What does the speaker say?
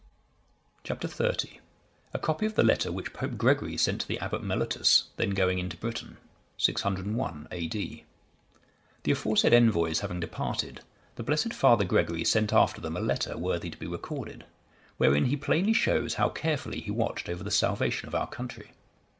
Chap. XXX. A copy of the letter which Pope Gregory sent to the Abbot Mellitus, then going into Britain. [601 A.D.] The aforesaid envoys having departed, the blessed Father Gregory sent after them a letter worthy to be recorded, wherein he plainly shows how carefully he watched over the salvation of our country.